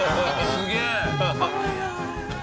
すげえ！